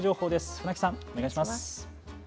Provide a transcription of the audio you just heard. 船木さん、お願いします。